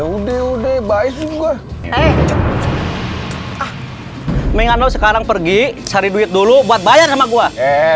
ududu baik juga eh ah menganggap sekarang pergi cari duit dulu buat bayar sama gua eh